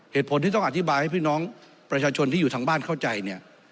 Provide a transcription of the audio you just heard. เหตุผลที่ต้องอธิบายให้พี่น้องประชาชนที่อยู่ทางบ้านเข้าใจเนี่ย